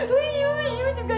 yu yu juga